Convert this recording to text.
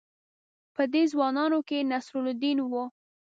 په دې ځوانانو کې نصرالدین وو.